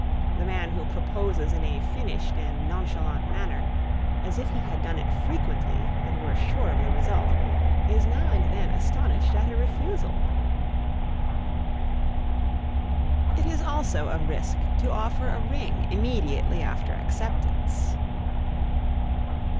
The man who proposes in a finished and nonchalant manner, as if he had done it frequently and were sure of the result, is now and then astonished at a refusal. It is also a risk to offer a ring immediately after acceptance.